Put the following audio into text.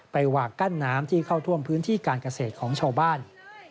หวากกั้นน้ำที่เข้าท่วมพื้นที่การเกษตรของชาวบ้าน